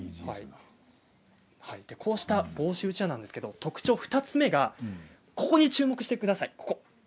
こうした房州うちわですが特徴２つ目が、注目してください。